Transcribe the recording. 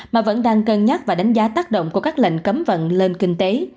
mà vẫn đang cân nhắc và đánh giá tác động của các lệnh cấm vận lên kinh tế